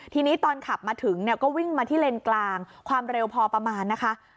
ทีนี้ตอนขับมาถึงเนี่ยก็วิ่งมาที่เลนกลางความเร็วพอประมาณนะคะ